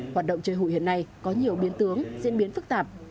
hoạt động chơi hụi hiện nay có nhiều biến tướng diễn biến phức tạp